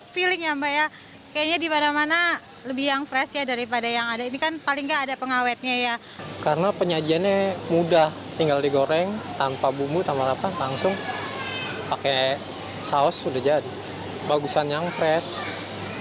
pada saat ini saya lebih suka makanan yang segar makanan yang segar makanan yang segar makanan yang segar